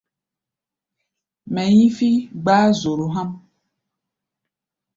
Mɛ hí̧fí̧ gbáá zoro há̧ʼm.